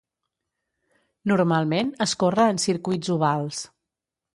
Normalment es corre en circuits ovals.